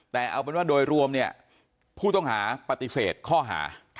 แต่เอาเป็นว่าโดยรวมเนี่ยผู้ต้องหาปฏิเสธข้อหา